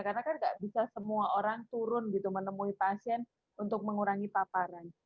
karena kan tidak bisa semua orang turun menemui pasien untuk mengurangi paparan